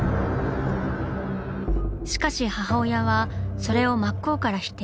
しかし母親はそれを真っ向から否定。